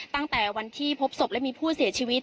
ตั้งแต่วันที่พบศพและมีผู้เสียชีวิต